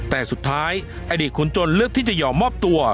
แต่สุดท้ายอดีตคนจนเลือกที่จะยอมมอบตัว